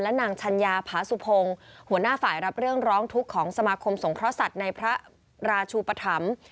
นางชัญญาผาสุพงศ์หัวหน้าฝ่ายรับเรื่องร้องทุกข์ของสมาคมสงเคราะห์สัตว์ในพระราชูปธรรม